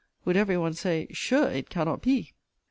would every one say; sure it cannot be!